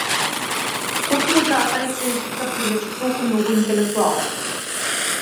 Токму таа карактеристика привлече толку многу интелектуалци.